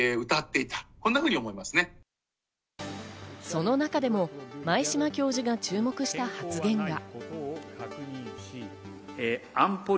その中でも前嶋教授が注目した発言が。